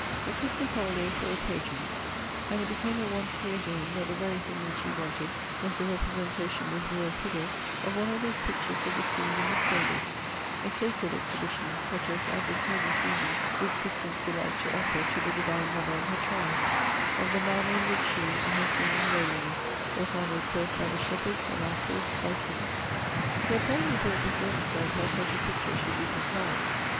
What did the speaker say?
The Christmas holidays were approaching ; and it became at once clear to him that the very thing which he wanted was a representation with real figures of one of those pictures of the scene in the stable, — a sacred exhi bition such as at this holy season good Christians delight to offer to the divine Mother and her Child, of the man ner in which she, in her seeming lowliness, was honored first by the shepherds and afterwards by kings. He had thoroughly brought before himself how such a picture should be contrived.